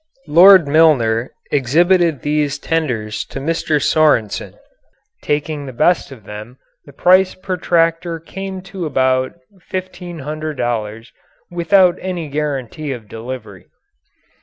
Lord Milner exhibited these tenders to Mr. Sorensen. Taking the best of them the price per tractor came to about $1,500 without any guarantee of delivery.